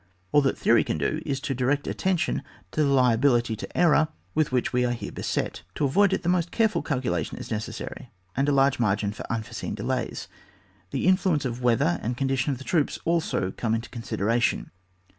All that theory can do is to direct attention to the liability to error with which we are here beset. To avoid it the most careful cal culation is necessary, and a large margin for unforeseen delays. The influence of weather and condition of the troops also come into consideration.